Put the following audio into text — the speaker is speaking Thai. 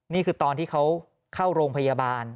นี่คือตอนที่เขาเข้าโรงพยาบาล